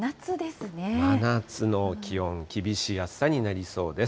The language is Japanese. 真夏の気温、厳しい暑さになりそうです。